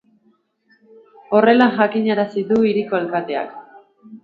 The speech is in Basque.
Horrela jakinarazi du hiriko alkateak.